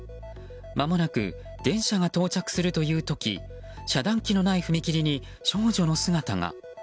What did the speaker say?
まもなく電車が到着するという時遮断機のない踏切に少女の姿が。